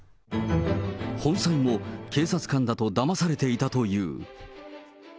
本妻も警察官だとだまされていたという。